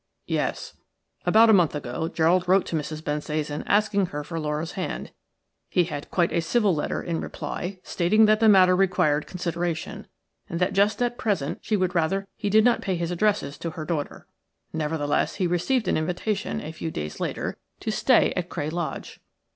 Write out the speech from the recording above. "Yes. About a month ago Gerald wrote to Mrs. Bensasan asking her for Laura's hand. He had quite a civil letter in reply, stating that the matter required consideration, and that just at present she would rather he did not pay his addresses to her daughter. Nevertheless, he received an invitation, a few days later, to stay at Cray Lodge.